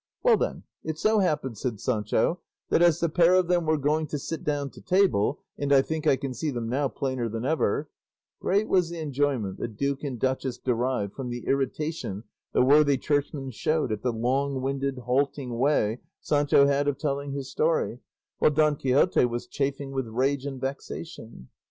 "Well then, it so happened," said Sancho, "that as the pair of them were going to sit down to table and I think I can see them now plainer than ever—" Great was the enjoyment the duke and duchess derived from the irritation the worthy churchman showed at the long winded, halting way Sancho had of telling his story, while Don Quixote was chafing with rage and vexation.